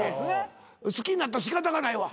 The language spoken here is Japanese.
好きになったら仕方がないわ。